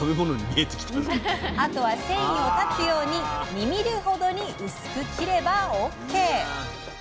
あとは、繊維を断つように２ｍｍほどに薄く切ればＯＫ！